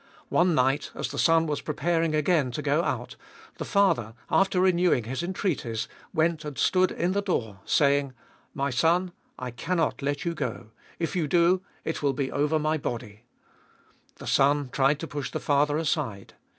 One night, as the son was preparing again to go out, the father, after renewing his entreaties, went and stood in the door, saying, " My son, I cannot let you go — if you do, it will be over my body." The son tried to push the father aside.